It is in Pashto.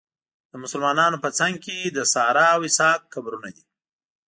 د مسلمانانو په څنګ کې د ساره او اسحاق قبرونه دي.